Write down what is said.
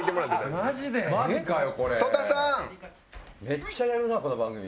めっちゃやるなこの番組。